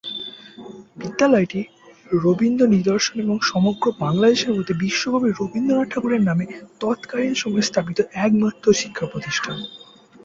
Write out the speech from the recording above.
বিদ্যালয়টি রবীন্দ্র নিদর্শন এবং সমগ্র বাংলাদেশের মধ্যে বিশ্বকবি রবীন্দ্রনাথ ঠাকুরের নামে তৎকালিন সময়ে স্থাপিত একমাত্র শিক্ষা প্রতিষ্ঠান।